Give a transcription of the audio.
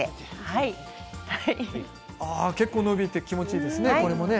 結構伸びて気持ちいいですね。